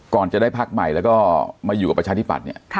ก่อนจะได้พักใหม่แล้วก็มาอยู่กับประชาธิปัตย์เนี่ย